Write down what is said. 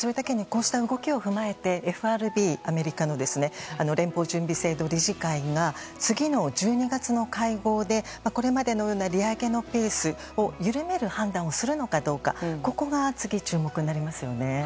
こうした動きを受けてアメリカのＦＲＢ・連邦準備制度理事会が次の１２月の会合でこれまでのような利上げのペースを緩める判断をするのかどうかがここが次、注目になりますね。